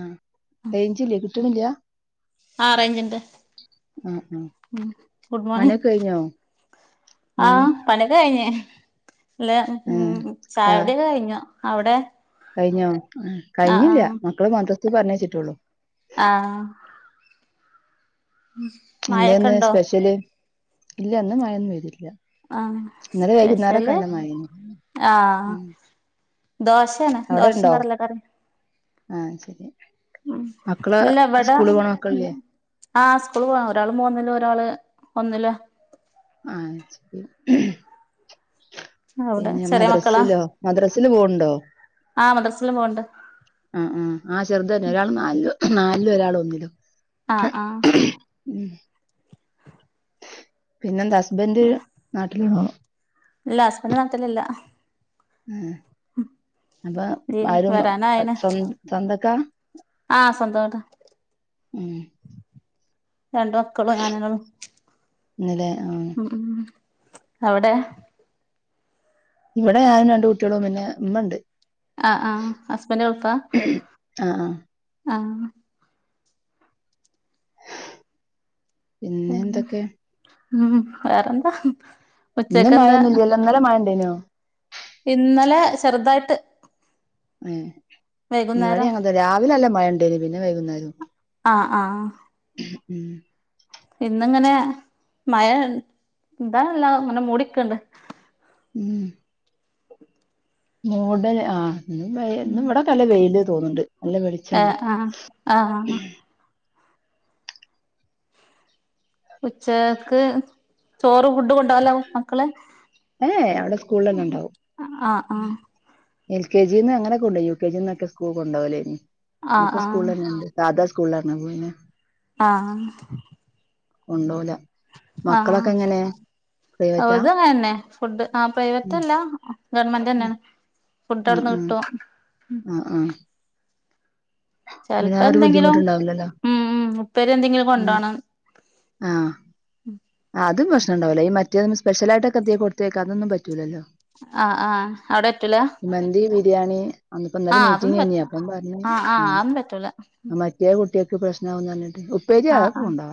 ആഹ്. റേഞ്ചില്ലേ കിട്ടണില്ല ആഹ് റേയ്ഞ്ച്ണ്ട് ആഹ് ആഹ് ഗുഡ് മോർണിംഗ് പണിയൊക്കെ കഴിഞ്ഞോ മോണി ആഹ് പണിയൊക്കെ കഴിഞ് അല്ലെ ഉം ഏഹ് ആ ചായൊട്യക്കെ കഴിഞ്ഞു അവിടെ കഴിഞ്ഞോ ആഹ് ആ ആ കഴിഞ്ഞില്ല മക്കള് മദ്ര ഇത് പറഞ്ഞേച്ചിട്ടള്ളൂ ആ മഴൊക്കെ എന്തന്ന് ഉണ്ടോ സ്പെഷ്യല് ഇല്ല ഇന്ന് മഴൊന്നും. പെയ് തില്ല ആ സ്പെഷ്യല് ആ ഉം ദോശയാണ് ദോശയും കടല കറിയും ആ അയ് ശരി ഉം മക്കള് ഇല്ല ഇവിടെ സ്കൂള് പോണ മക്കളില്ലേ ആ സ്കൂള് പോണ ഒരാള് മൂന്നിലും ഒരാള് ഒന്നിലും ആ അയ് ശരി അവിടെ പിന്നെ ചെറിയ മക്കളാ മദ്രസില മദ്രസ് ല് പോവുണ്ടോ? ആ മദ്രാസില് പോവ്ണ്ട് ആ ആ ആ ചെറുത തന്നെ ഒരാൾ നാലില് നാല് ഒരാള ഒന്നിലും ആ ആ ഉം പിന്നെന്തസ് ഹസ്ബന്റ നാട്ടിലാണോ ഇല്ല ഹസ്ബന്ഡ് നാട്ടിലില്ല. ഉം അപ്പൊ ആരും വരാനായിണ് സ്വന്ത സ്വന്തക്കാ? ആ സ്വന്തം വീടാ ഉം രണ്ട് മക്കളും ഞാനന്നെ ഇന്നലെ ആ ഒള്ളൂ അവിടെ ഇവിടെ ഞാനും രണ്ട് കുട്ടിയേളും പിന്നെ ഉമ്മ ണ്ട്. ആ ആ ഹസ്ബൻഡ് ഗൾഫാ? ആ ആ ആ പിന്നെ എന്തൊക്കെ ഉം വേറെന്താ. ഇന്ന് ഉച്ചക്കെന്താ മഴൊന്നും ഇല്ലല്ലോ ഇന്നലെ മഴണ്ടേനോ.. ഇന്നലെ ചെറുതായിട്ട് എ ഇന്നടി വൈകുന്നേരം ഞങ്ങ രാവിലെ അല്ല മഴണ്ടേല് പിന്നെ വൈകുന്നേരം ആഹ് ആഹ് ഉം ഇന്നിങ്ങനെ മയ ഇന്താല്ല അങ്ങനെ മൂടിക്കണ്ട് ഉം മൂടല് ആ ഇും വ ഇന്നും ഇവിടെ നല്ല വെയില് തോന്നുന്നുണ്ട് നല്ല വെളിച്ചണ്ട് ഏഹ് ആഹ് ആഹ് ഉച്ചക്ക് ചോറ് ഫുഡ് കൊണ്ടല്ലോ മക്കള് ഏ അവിടെ സ്കൂളിലെല്ലാം ഉണ്ടാവും ആഹ ആഹ എൽ കെ ജി നിന്ന് അങ്ങനൊക്കെ ഉണ്ട് യു കെ ജിന്നൊക്കെ സ്കൂൾ കൊണ്ടാവലേ ഇനി ഇപ്പൊ ആഹ് സ്കൂളല്ലണ്ട് സാധ സ്കൂളാണ് പോയിന ആഹ കൊണ്ടപോല ആഹ പ്രൈവറ്റാ ഇത്ങ്ങന്നെ ഫുഡ് ആ പ്രൈവറ്റ് ഉം അല്ല ഗവർമെന്റ് തന്നെയാണ് ഫുഡ് അടന്ന് കിട്ടുവോ ആഹ ആഹ ചെൽപ്പെന്തെങ്കിലും ബുദ്ധിമുട്ടുണ്ടാവില്ലല്ലോ ഉം ഉപ്പേരി എന്തെങ്കിലും ഉം കൊണ്ടോണം ഉം ആ അത് പ്രശ്നണ്ടാവൂല ഈ മറ്റേതിന് സ്പെഷലായ്ട്ടൊക്കെ എന്തേ കൊടുത്തയ്ക്ക അതൊന്നും പറ്റൂല്ലോ ആഹ് ആഹ് അവിടെ പറ്റൂല മന്തി ബിരിയാണി അങ്ങൻതൊ ന്നലെ ആഹ് അതൊന്നും പറ്റ മീറ്റിങ്ങേന്നെയ് അപ്പം പർഞ്ഞു ആഹ് ആ ആഹ് അതൊന്നും പറ്റൂല അ മറ്റേ കുട്ട്യേക്ക് ക്ക് പ്രശ്നാവും നർന് ഉം ഉപ്പേരി ആഹ് അഒക്കെ ആഹ് കൊണ്ടോവ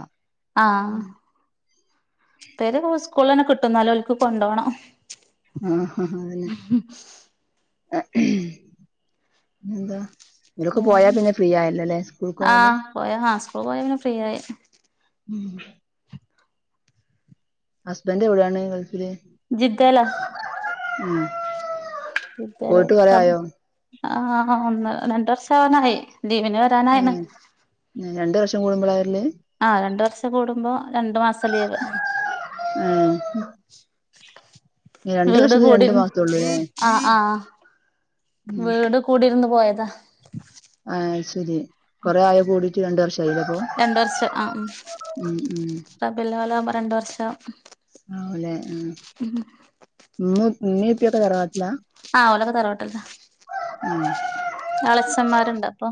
ഇപ്പേരി സ് കൂളിലെന്നെ കിട്ടും ന്നാലു ഓൽക്ക് കൊണ്ടോണം ആ ഹ ഹാ അഎന്നെ എന്താ ഉം ആ പോയാല് പോയ ആ സ്കൂള് പോയ പിന്നെ ഫ്രീയായി ഉം ഹസ്ബൻ്റ് എവിയാണ് ഗൾഫില് ജിദ്ദേല ഉം ഇപ്പ ഞാന് കം ആഹ് ഒന്ന് രണ്ട് വർഷാവാനായി ലീവിന് വരാനായിണ് റ്റം കൂടുമ്പളാ വര്ല് ആഹ് രണ്ട് വർഷം കൂടുമ്പോ രണ്ടു മാസം ലീവ് ഏഹ് ഉം രണ്ട് വീട് വർഷത്തിന് രണ്ട് കുടിര് മാസേ ഉള്ളൂല്ലേ ആഹ് ആഹ് ഉം വീട് കൂടിര്ന്ന് പോയ ദാ ആഹ് ശരി കൊറേ ആയോ കൂടിട്ട് രണ്ട് വർഷ ആയിലെപ്പൊ രണ്ട് വർഷം ആഹ് ഉം ഉം ഉം റബിയുല്ലവ്വലാവുമ്പോ രണ്ട് വർഷം ആലെ ഉം ന്ന് മ്മി പ്പിയൊക്കെ തറവാട്ട്ല ആ ഓലൊക്കെ തറവാട്ട്ല്ല ഉം എളേച്ചമ്മാര്ണ്ട പ്പൊ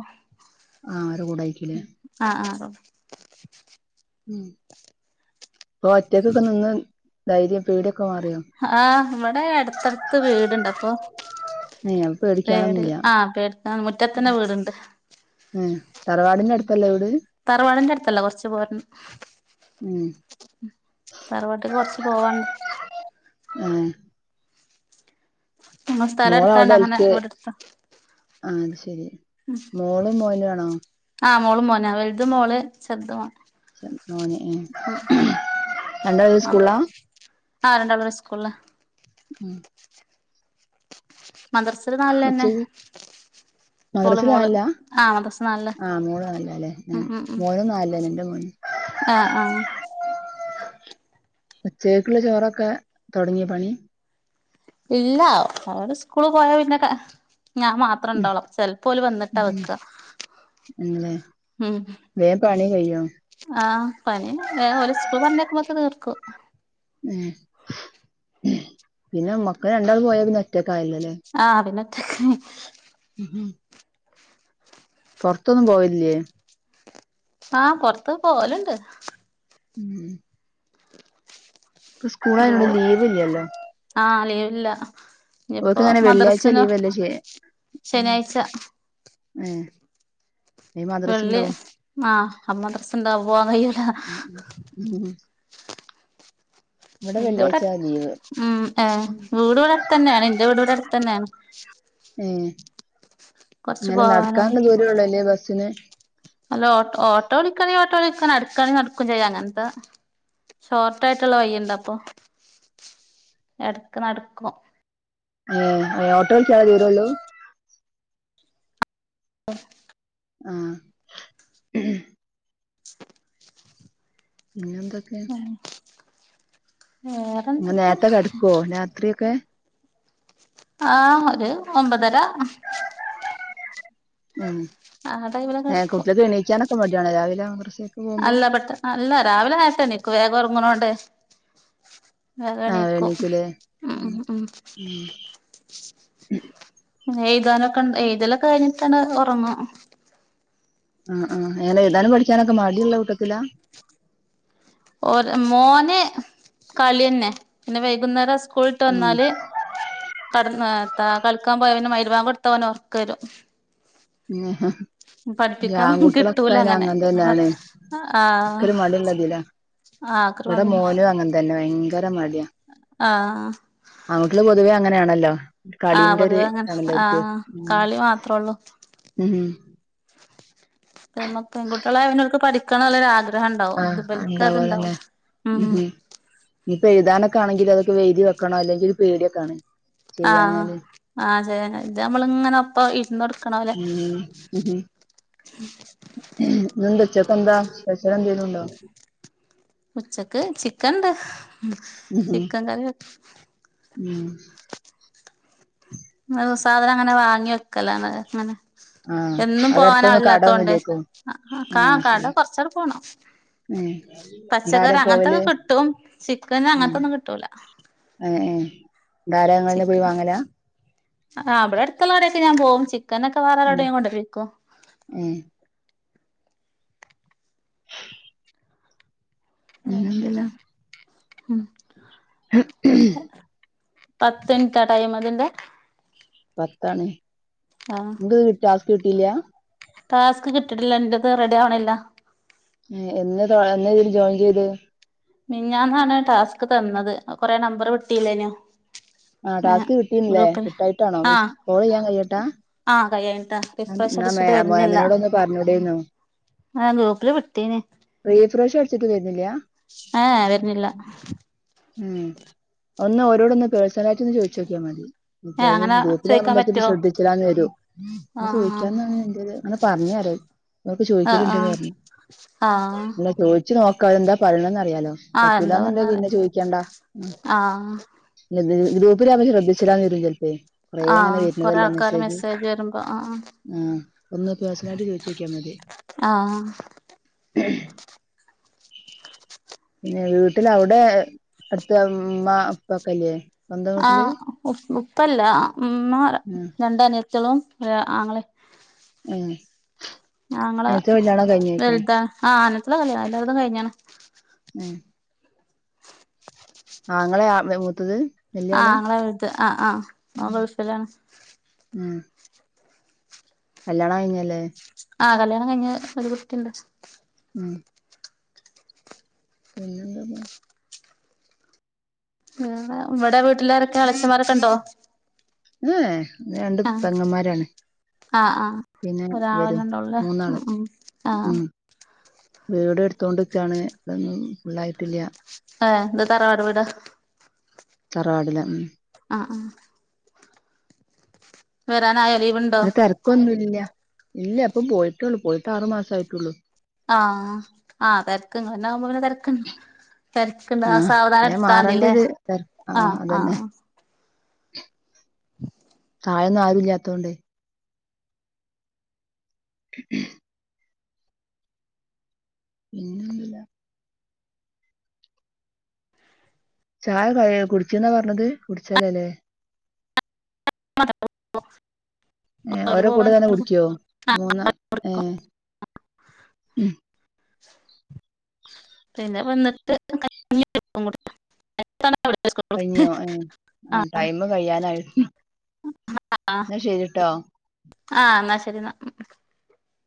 ആഹ് അരെ കൂടെയിരിക്കുലെ ആഹ് ആഹ് ഉം പ്പൊ ഒറ്റക്കൊക്കെ നിന്ന് ധൈര്യം പേടിയൊ ആഹ് വടെ അട്ത്തട്ത്ത് വീട്ണ്ട് അപ്പൊ ഏഹ് അപ്പൊ പേടിൽ പേടിക്കാനൊന്നുല്ല ആഹ് പേടിക്ക മുറ്റത്തന്നെ വീട്ണ്ട് ഏഹ് തറവാടിന്റെ അടുത്തല്ലേ വീട് തറവാടിന്റെ അട് ത്തല്ല കൊർച്ച് പോരണം ഉം തറവാട്ടിക്ക് കൊർച്ച് പോവാ ആഹ് നമ്മ അവിടെ സ്ഥലടുത്താണ്ട് എൽ അങ്ങനെ വിട് ട്ത്ത പെരി മോളും മോനണോ ആഹ് മോളും മോനാ വല്ത് മോള് ചെർത് മോ മോനേ ഏ രണ്ടാളും ഒരു സ്കൂള്ളാ ആ രണ്ടാളൊരു സ്കൂള്ളാ ഉം [inaudible] മദ്രസല് നാല്ലെന്നെ ഉച്ചക്ക് ഓള് മദ്രസില് മോള് നാലില ആ മദ്രസ് നാല്ല് ആഹ് മോള് നാലിലാല്ലേ ഉം ഏഹ് ഉം ഉം മോനും നാലിലെന്നെ ഇന്റെ മോനും ആ ആ [inaudible] ഉച്ചേക്കുള്ള ചോറക്കെ തെടങ്ങിയോ പണി ഇല്ല അവടെ സ്കൂള് പോയാ പിന്നെ ക ഞാമാത്ര ഉം ണ്ടാവോളു ചെൽപ്പോല് വന്നിട്ടാ ഉം വെക്ക ഉം കെയ്യോ ആ കൊ ഉം പിന്നെ മ ക്ക് രണ്ടാളു പോയ പിന്നെ ഒറ്റക്ക് ആയില്ലല്ലേ. [unintelligible] ഉം പൊറത്തൊന്നും പോവില്ലേ? ആഹ് പൊറത്ത് പോവലുണ്ട്. ഉം ഇപ്പ സ്കൂളായോണ്ട് ലീവ് ഇല്ലല്ലോ. ഇല്ല ഓർക്കങ്ങനെ വെള്ളിയാഴ്ച ലീവല്ലേ ശേ ഉം ശനിയാഴ്ച ഏ വെള്ളി ആഹ് അമ്മത്രസിണ്ടാവും. പോവാൻ കഴിയൂല. ഉം ഉം. ഉം. എന്റെ ഇവിടെ വെള്ളിയാഴ്ച ലീവ് ഉം ഏ വീട് ഇവിടടുത്തന്നെണ്. എൻ്റെ വീട് ഇവിടഅടുത്തന്നെയാണ്. ഉം ഇങ്ങനെ പോവാനും നടക്കാന്നദൂരോള്ളു അല്ലേ ബസ്സിന് അല്ല ഓട്ടോ ഓട്ടോ വിളിക്കണെ ഓട്ടോ വിളിക്കണ അടുക്കാണെ നടക്കും ചെയ്യാന അങ്ങനത്ത ഷോർട്ടായിട്ടുള്ള വയ്യേണ്ടാ അപ്പൊ എടുക്ക് നടക്കോ മ് ഒ [unintelligible] ചാടിയതുള്ളൂ. ഓ ആഹ് [inaudible] പിന്നെ എന്തൊക്കെയ. അ വേറെന്തൊക്കെ നേരത്തെ കെടക്കുവോ രാത്രിക്കെ ആഹ് ഒരു ഒമ്പതര. ഉം ആ ടൈമിലൊക്കെ എടുക്കും കുട്ടികക്ക് എണീക്കാനൊക്കെ മടിയാണോ രാവിലെ മദ്രസേക്ക് പോകുമ്പോ അല്ല പെട്ട അല്ല രാവിലെ ആയച്ച നക്ക് വേഗം ഉറങ്ങണോണ്ടേ ആഹ് വെഗണിക്കും. എണീക്കൂലേ ഉ ഉ എഴുതാനൊക്കെ എഴുതലൊക്കെ കഴിഞ്ഞിട്ടാണ് ഒറങ്ങ. ആ ആ ങ്ങനെ എഴുതാനും പഠിക്കാനക്കെ മടിയള്ള കൂട്ടത്തിലാ. ഓ മോന് കളി തന്നെ. പിന്നെ വൈകുന്നേരം ക്കൂളട്ട് ഉം വന്നാല് കട കളിക്കാൻ പോയ പിന്നെ മരുവാൻ കൊടുത്ത പോഓർക്ക വരും. ആഹാ ഈ പഠിപ്പിക്കാൻ ആൺകുട്ടികളൊക്കെ കിട്ടൂല അ അങ്ങനെ അങ്ങന ആഹ് തന്നാണ്. ഒരിക്കല മടിള്ളതില ആഹ് അക്കറ് ഇവിടെ മതില്ലോ മോനും അങ്ങന തന്നെ ഭയങ്കര മടിയ ആഹ് ആൺകുട്ടികള് പൊതുവേ അങ്ങനെയാ അല്ല ആഹ പൊതുവേ അങ്ങനെ ആഹ് ഉം കാളി മാത്രേ ഉള്ളൂ ഉം പി പെൺകുട്ടികള അവക്ക് പഠിക്ക ആം ആഹ് ഉണ്ടാവോതന്നെ ഉം ഉ ഇപ്പ എഴുതാന ആണെങ്കിൽ അതൊ വേതി വെക്കണ അെങ്കിൽ ഒരു പേടിിയെക്കണ ആഹ് ആഹ ശരി അത് നമ്മളിങ്ങനെ ഇപ്പ ഇ ഉം ഉ ന ഉച്ചക്ക എന്താ പക്ഷണംം ചെയ്യുന്നുണ്ടോ ഉച്ചക്ക് ചിക്കൻണ്ട് ഉം ഹും ചിക്കൻ കറിക്ക ഉം സാധനം അങ്ങനെ വാങ്ങി വെക്കല അങ്ങനെ ആഹ് എന്നും അവിടെ പോവാനോ അടുത്തൊന്നും അല്ലാത്തോൊണ്ട് കടയൊന്നുല്ലേക്കും കാ ആഹ് ശരി കാട്ടെ കൊറച്ചൂടി പോണം ഏഹ് ടാരാ പച്ചക്കറി പോവല് അങ്ങനത്തൊക്കെ കിട്ടും ചിക്കന് ഉം അങ്ങത്തൊന്നും കിട്ടൂല ന്താരങ്ങെ പോയി ചിക്കൻ വാങ്ങല ആ അവിടെ അടുത്തുള്ള കടെൊക്കെ ഞാൻ പോക കനൊക്കെ ഉം വേറെരോടയും കൊണ്ടക്കോ ഏഹ് [inaudible] ആഹ പിന്നെന്തല്ലാ ഉം ആ പത്ത് മിനിറ്റാ ടൈം അതിന്റെ പത്താണ് ആ നിങ്ങ കിട്ട സ്ക് കിട്ടില്ല ടാസ്ക് കിട്ടിട്ടില്ല എറത് റെഡി ആവണില്ല എന്ന എന്ന ചെയ ജോയിൻ ചെയ്ത് മിഞ്ഞാന്നാണ് ടാസ്ക് തന്നത് കൊറെേ നമ്പർ കിട്ടിയില്ലനോ ആഹ ടാസ്ക് കിട്ടീന്നില്ലേ കിട്ടായിട്ടാണോ ആ കോൾ ചെയ്യാൻ കഴിയട്ടാ ആ കയ്യായിട്ടാ റിഫ്രഷ് അടിച്ചിട്ട് വരുന്നില്ല മോമിനോട് ഒന്ന് പറഞ്ഞോടെന്നോ ആ ഗ്രൂപ്പില് വിട്ടീന് പ്രീ ഫ്രഷ തരുന്നില്ല ആഹ വരുന്നില്ല ഉം ഒന്ന് രോടൊന്ന് പേഴ്സണല ആയിട്ട് ഒന്ന് ചോദിച്ചോക്കിയാ മതി ഏ ഇത്യാം അങ്ങനെ ഗ്രൂപ്പിൽ ചോയിക്കാൻ കാണുമച്ച പറ്റോ ശ്രദ്ധിച്ചില്ലന്ന് വരോെ ആ ചോദിക്കാനെ എന്ത അങ്ങനെ പറഞ്ഞര അവർക്ക് ആ ആ ചോദിക്കലുണ്ടന്ന് പറഞ്ഞു ആ ആ അ ചോദിച്ചു നോ കഴന്താ പറഞ്ഞ ആഹ് എന്താ പറഞ്ഞത് പന്നെ ക്കണ്ടാ ആഹ് ഗ്രൂപ്പില ശ്രദ്ധിച്ചിന്ന വരും ചിലപ്പോേ കൊറെ അങ്ങനെ ആഹ് കൊറെ വരുന്നതല്ലോ ആൾക്കാര് മെസ്സേജ് വരുമ്പോ ആഹ് ആ ഒന്ന് പേഴ്സണല ആയിട്ട് ചോയിച്ചക്കാ മതി [inaudible] ആഹ് പിന്നെ വീട്ടിൽ അവിടെ അടുത്ത ഉമ്മ അപ്പക്കല്ലേ ആ മ് പ്പല്ല ഒന്നോ ആ രണ്ടോ ചളവും ആങ്ങളെ മ് ഞങ്ങള് വലുത ആന ആ കല്യാണം എല്ലാവടും കഴിഞ്ഞാണ് മ് ആങ്ങളെ മൂത്തത് വല്യ ആ ആള് അങ്ങെ എഴുത് ആ ആ ആ ഗൾഫിലാണ് ആ കല്യാണം കഴിഞ്ഞല്ലേ ആ കല്യാണം കഴിഞ്ഞ അള കുട്ടിണ്ട് ആ പിന്നന്ത ഇവിടെ വീട്ടിലാരൊക്കെ അളച്ചന്മാരൊക്കെ ഉണ്ടോ [unintelligible] ആഹ പെങ്ങന്മാരാണ് ആഹ ആഹ് പിന്നെ ഒരാള ഇവരും രണ്ട ഉള്ളേ മ് മൂന്നാള് മ് ആഹ ഉം വീട് എടുത്തോണ്ടിക്കയാണ് അതൊന്നും ഫുള്ളായിട്ടില്ല ആഹ എന്താ തറവാട് വീടാ തറവാടില മ് ആ ആ വരാന [unintelligible] ഇന്നെ തിരക്കൊന്നുംല്ല ഇല്ല അപ്പൊ പോയിട്ടുള്ളു പോയിട്ട് ആറു മാസ ആയിട്ടുള്ളൂ ആ ആ തര [unintelligible] ക്ക തിരക്കണ്ട ആഹ് സാവധാനം വേം മാറേണ്ട എടുത്താണ്ടല്ലേ ഒരു തെര ആ ആഹ് ആ അതന്നെ [unintelligible] [unintelligible] തഴൊന്നും ആരുല്ലാത്തോണ്ടേ [unintelligible] പിന്നന്നില്ല ചായ ഒക്കെ കുടിച്ചന്നാ പറഞ്ഞത് കുടിച്ചാലേല്ലേ അ [unintelligible] ഏ ഓരോ കൂടെ തന്നെ കുടിക്കോ മൂന്ന ഏ ഉ പിന്നെ വന്നിട്ട് ക [unintelligible] കഴിഞ്ഞോ ആ ആഹ് ടൈം കഴിയാനായിരുന്നു എന്നാ ശരിരിട്ടാ ആഹ ആഹ എന്നാ ശരി എന്നാ